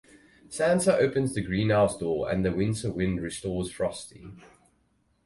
Santa opens the greenhouse door and the winter wind restores Frosty.